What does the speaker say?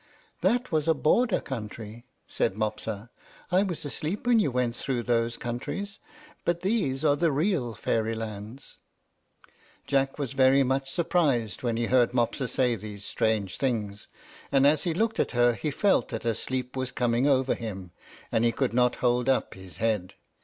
"That was a border country," said Mopsa. "I was asleep while you went through those countries; but these are the real Fairylands." Jack was very much surprised when he heard Mopsa say these strange things; and as he looked at her, he felt that a sleep was coming over him, and he could not hold up his head.